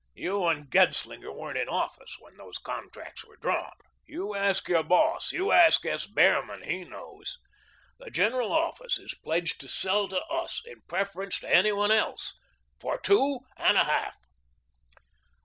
You and Genslinger weren't in office when those contracts were drawn. You ask your boss, you ask S. Behrman, he knows. The General Office is pledged to sell to us in preference to any one else, for two and a half."